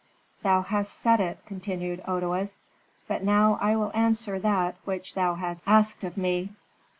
"Thou hast said it," continued Otoes. "But now I will answer that which thou hast asked of me.